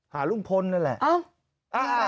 หาลุงพลนั่นแหละ